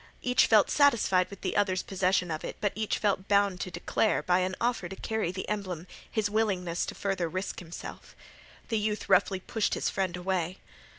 Each felt satisfied with the other's possession of it, but each felt bound to declare, by an offer to carry the emblem, his willingness to further risk himself. The youth roughly pushed his friend away.